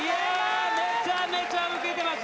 めちゃめちゃウケてましたね。